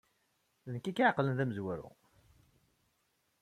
D nekk ay k-iɛeqlen d amezwaru.